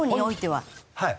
はい。